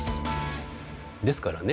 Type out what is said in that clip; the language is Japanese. ですからね